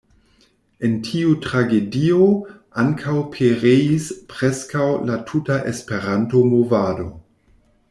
En tiu tragedio ankaŭ pereis preskaŭ la tuta Esperanto-movado.